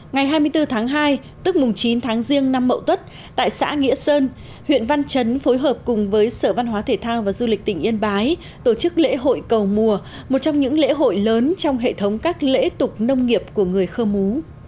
ngày hai mươi bốn tháng hai tức mùng chín tháng riêng năm mậu tuất tại xã nghĩa sơn huyện văn chấn phối hợp cùng với sở văn hóa thể thao và du lịch tỉnh yên bái tổ chức lễ hội cầu mùa một trong những lễ hội lớn trong hệ thống các lễ tục nông nghiệp của người khơ mú